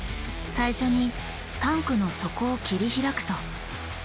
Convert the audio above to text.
最初にタンクの底を切り開くと。